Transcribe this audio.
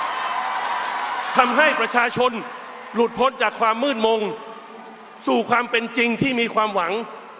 ทำให้ประชาชนหลุดพ้นจากความมืดมงสู่ความเป็นจริงที่มีความหวัง